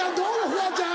フワちゃん。